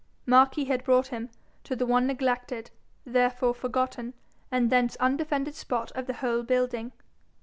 Marquis had brought him to the one neglected, therefore forgotten, and thence undefended spot of the whole building.